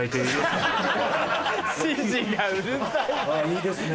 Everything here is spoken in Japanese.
いいですね。